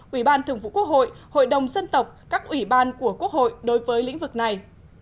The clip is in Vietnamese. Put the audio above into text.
ủy ban thường vụ quốc hội hội đồng dân tộc các ủy ban của quốc hội đối với lĩnh vực này